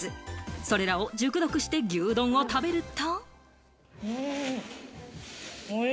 それらを熟読して牛丼を食べると。